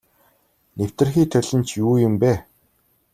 Нэвтэрхий толь нь ч юу юм бэ.